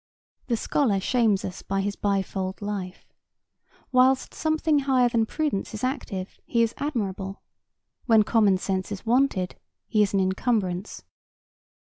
The scholar shames us by his bifold life. Whilst something higher than prudence is active, he is admirable; when common sense is wanted, he is an encumbrance.